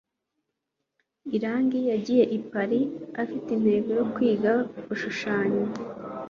irangi yagiye i paris afite intego yo kwiga gushushanya